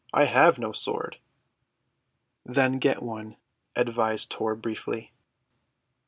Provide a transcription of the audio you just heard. "I have no sword." "Then get one," advised Tor briefly.